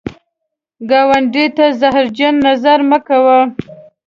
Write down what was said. ګاونډي ته زهرجن نظر مه کوه